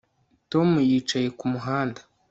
tom yicaye kumuhanda